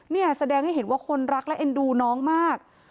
เนี่ยแสดงให้เห็นว่าคนรักและเอ็นดูน้องมาก